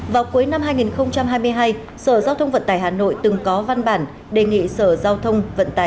vào cuối năm hai nghìn hai mươi hai sở giao thông vận tải hà nội từng có văn bản đề nghị sở giao thông vận tải